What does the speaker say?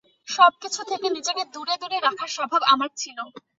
সবকিছু থেকে নিজেকে দূরে-দূরে রাখার স্বভাব আমার ছিল।